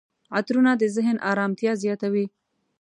عطرونه د ذهن آرامتیا زیاتوي.